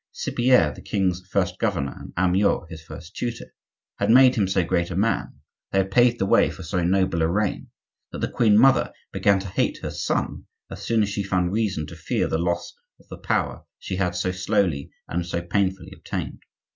Cypierre, the king's first governor, and Amyot, his first tutor, had made him so great a man, they had paved the way for so noble a reign, that the queen mother began to hate her son as soon as she found reason to fear the loss of the power she had so slowly and so painfully obtained.